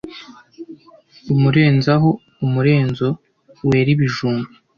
Umurenzaho (umurenzo) wera ibijumba.